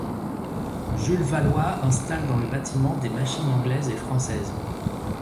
Jules Vallois installe dans le bâtiment des machines anglaises et françaises.